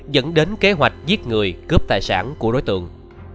dẫn đến kế hoạch giết người cướp tài sản của đối tượng